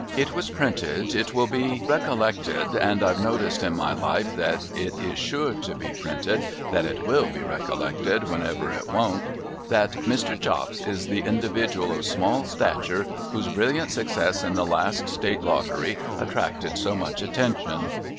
It was printed, 'It will be '.e€Ha tfi^e r^y^'cu ^y. PRESENTED AT COURT 191 recollected' — and I've noticed in my life, that it is sure to be printed that it will be recollected, whenever it won't—' that Mr. Chops is the individual of small stature, whose brilliant success in the last State Lottery attracted so much attention.'